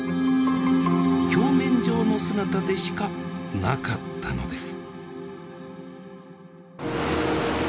表面上の姿でしかなかったのです。